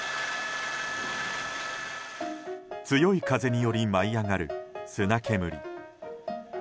強い風により舞い上がる砂煙。